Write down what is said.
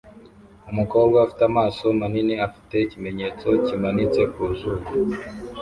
Umukobwa ufite amaso manini afite ikimenyetso kimanitse ku zuru